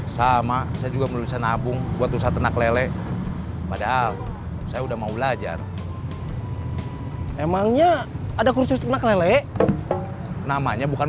sampai jumpa di video selanjutnya